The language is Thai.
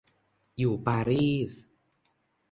อยู่ปารีส